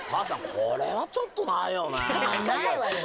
これはちょっとないよねないわよ